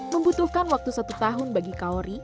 membutuhkan waktu satu tahun bagi kaori